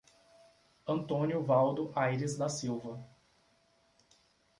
Antônio Valdo Aires da Silva